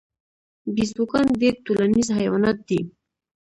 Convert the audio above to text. بیزوګان ډیر ټولنیز حیوانات دي